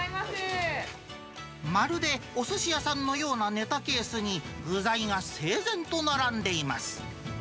まるでおすし屋さんのようなねたケースに具材が整然と並んでいます。